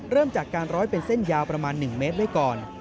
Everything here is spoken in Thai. เริ่มจากการร้อยเป็นเส้นยาวประมาณ๑เมตรไว้ก่อน